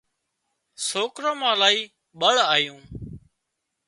سوڪران مان الاهي ٻۯ آيون